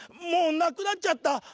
もうなくなっちゃった！」。